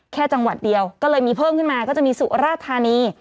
จังหวัดเดียวก็เลยมีเพิ่มขึ้นมาก็จะมีสุราธานี